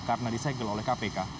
karena disegel oleh kpk